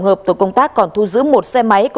hợp tổ công tác còn thu giữ một xe máy